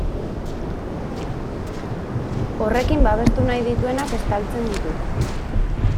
Horrekin babestu nahi dituenak estaltzen ditu.